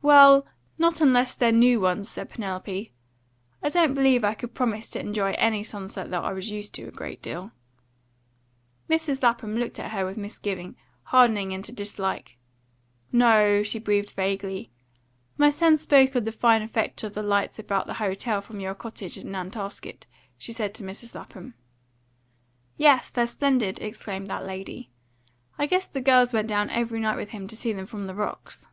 "Well, not unless they're new ones," said Penelope. "I don't believe I could promise to enjoy any sunsets that I was used to, a great deal." Mrs. Corey looked at her with misgiving, hardening into dislike. "No," she breathed vaguely. "My son spoke of the fine effect of the lights about the hotel from your cottage at Nantasket," she said to Mrs. Lapham. "Yes, they're splendid!" exclaimed that lady. "I guess the girls went down every night with him to see them from the rocks."